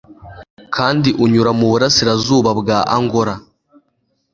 kandi unyura mu burasirazuba bwa angola